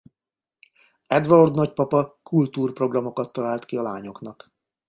Edward nagypapa kultúr programokat talált ki a lányoknak.